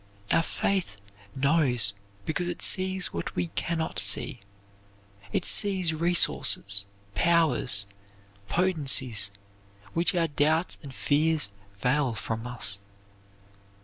Our faith knows because it sees what we can not see. It sees resources, powers, potencies which our doubts and fears veil from us.